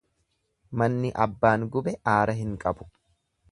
Manni abbaan gube aara hin qabu.